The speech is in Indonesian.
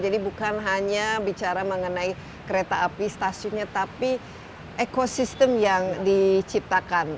jadi bukan hanya bicara mengenai kereta api stasiunnya tapi ekosistem yang diciptakan